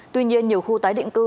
tuy nhiên nhiều khu tái định cư